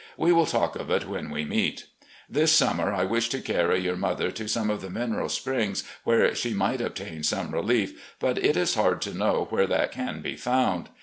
We will talk of it when we meet. This summer I wish to carry your mother to some of the mineral springs where she might obtain some relief, but it is hard to know where that can be found.